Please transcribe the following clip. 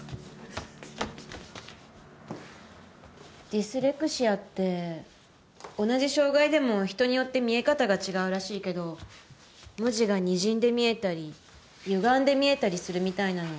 ディスレクシアって同じ障害でも人によって見え方が違うらしいけど文字がにじんで見えたりゆがんで見えたりするみたいなの。